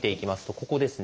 ここですね。